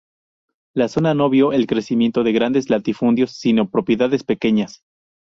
La zona no vio el crecimiento de grandes latifundios sino propiedades pequeñas.